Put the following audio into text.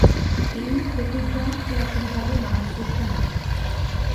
এই প্রতীকজ্ঞান পুরাপুরিভাবে মানব-সৃষ্ট নয়।